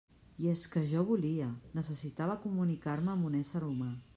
I és que jo volia, necessitava comunicar-me amb un ésser humà.